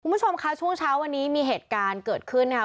คุณผู้ชมค่ะช่วงเช้าวันนี้มีเหตุการณ์เกิดขึ้นนะครับ